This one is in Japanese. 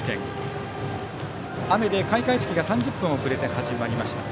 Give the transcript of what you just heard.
雨で開会式が３０分遅れて始まりました。